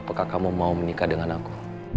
apakah kamu mau menikah dengan aku